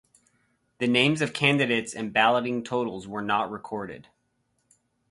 The names of candidates and balloting totals were not recorded.